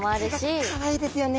お口がかわいいですよね。